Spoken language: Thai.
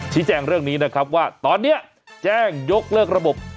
แจ้งเรื่องนี้นะครับว่าตอนนี้แจ้งยกเลิกระบบ